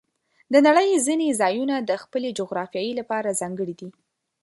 د نړۍ ځینې ځایونه د خپلې جغرافیې لپاره ځانګړي دي.